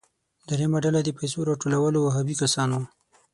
دریمه ډله د پیسو راټولولو وهابي کسان وو.